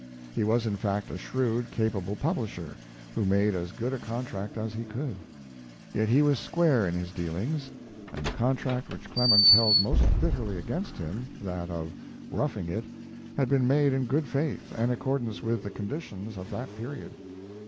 He was, in fact, a shrewd, capable publisher, who made as good a contract as he could; yet he was square in his dealings, and the contract which Clemens held most bitterly against him that of 'Roughing It' had been made in good faith and in accordance with the conditions, of that period.